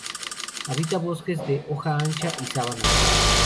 Habita bosques de hoja ancha y sabanas.